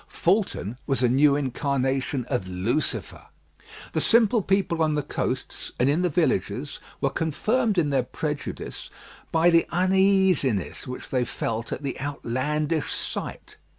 Fulton was a new incarnation of Lucifer. The simple people on the coasts and in the villages were confirmed in their prejudice by the uneasiness which they felt at the outlandish sight.